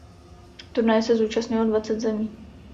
Turnaje se zúčastnilo dvacet zemí.